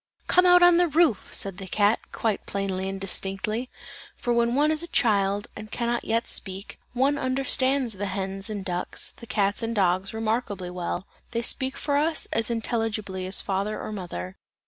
"Come out on the roof!" said the cat, quite plain and distinctly, for when one is a child, and can not yet speak, one understands the hens and ducks, the cats and dogs remarkably well; they speak for us as intelligibly as father or mother.